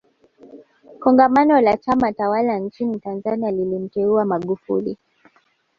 kongamano la chama tawala nchini tanzania lilimteua magufuli